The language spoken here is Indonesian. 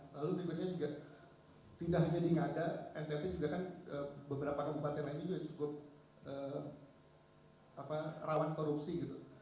lalu berikutnya juga tidak hanya di ngada ntt juga kan beberapa bupati lainnya juga cukup rawan korupsi gitu